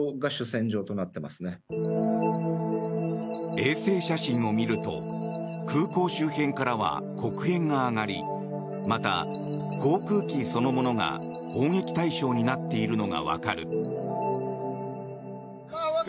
衛星写真を見ると空港周辺からは黒煙が上がりまた、航空機そのものが攻撃対象になっているのがわかる。